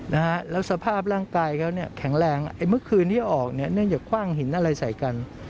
นะฮะแล้วสภาพร่างกายเขาเนี่ยแข็งแรงไอ้เมื่อคืนที่ออกเนี่ยเนื่องจากคว่างหินอะไรใส่กัน